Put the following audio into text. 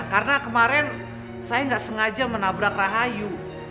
karena kemarin saya gak sengaja menabrak rahayu